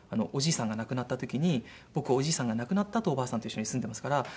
おじいさんが亡くなった時に僕おじいさんが亡くなったあとおばあさんと一緒に住んでますから。